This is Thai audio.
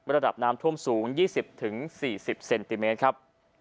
ระดับน้ำท่วมสูง๒๐๔๐เซนติเมตรครับ